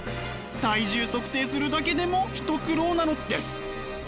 体重測定するだけでも一苦労なのです。